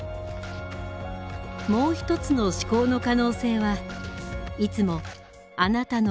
もう一つの思考の可能性はいつもあなたの心の底に眠っている。